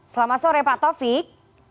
selamat sore pak taufik